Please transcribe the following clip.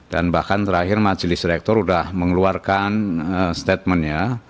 dan bahkan terakhir majelis rektor sudah mengeluarkan statementnya